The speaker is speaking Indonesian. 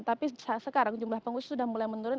tapi sekarang jumlah pengungsi sudah mulai menurun